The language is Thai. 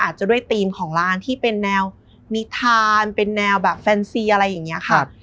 อาจจะด้วยธีมของร้านที่เป็นแนวนิทานเป็นแนวแบบแฟนซีอะไรอย่างนี้ค่ะ